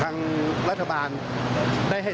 ทางรัฐบาลได้ให้